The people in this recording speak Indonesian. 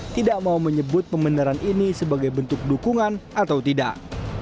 tidak mau menyebut pembenaran ini sebagai bentuk dukungan atau tidak